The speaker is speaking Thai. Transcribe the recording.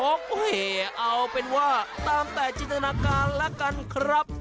โอ้โหเอาเป็นว่าตามแต่จินตนาการแล้วกันครับ